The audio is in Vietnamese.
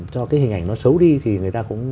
cho cái hình ảnh nó xấu đi thì người ta cũng